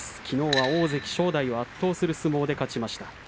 きのうは大関正代を圧倒する相撲で勝ちました。